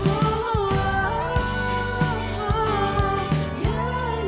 uh uh uh uh uh